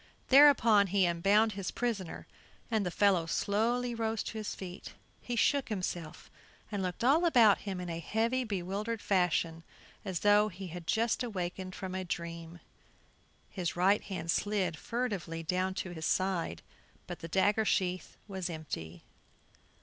Thereupon, he unbound his prisoner, and the fellow slowly rose to his feet. He shook himself and looked all about him in a heavy, bewildered fashion, as though he had just awakened from a dream. His right hand slid furtively down to his side, but the dagger sheath was empty.